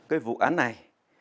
cái vụ án này